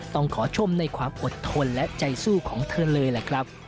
ต้องขอชมในความอดทนและใจสู้ของเธอเลยล่ะครับ